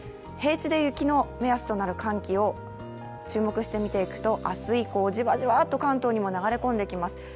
平地で雪の目安となる寒気を注目してみていくと、明日以降、じわじわっと関東にも流れ込んできます。